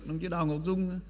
đồng chí đào ngọc dung